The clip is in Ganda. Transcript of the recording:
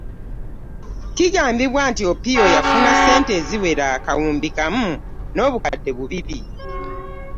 Kigambibwa nti Opio yafuna ssente eziwera akawumbi kamu n'obukadde bubiri